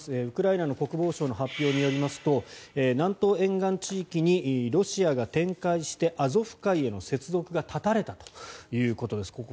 ウクライナの国防省の発表によりますと南東沿岸地域にロシアが展開してアゾフ海への接続が断たれたということです。